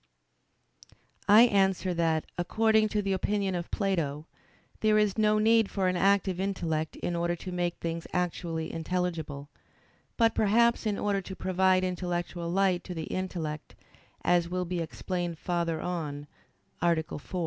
I answer that, According to the opinion of Plato, there is no need for an active intellect in order to make things actually intelligible; but perhaps in order to provide intellectual light to the intellect, as will be explained farther on (A. 4).